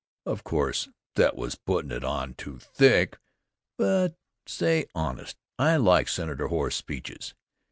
Of course, that was puttin' it on too thick; but say, honest, I like Senator Hoar's speeches.